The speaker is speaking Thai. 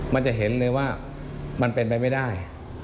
มันจะเห็นเลยว่ามันเป็นไปไม่ได้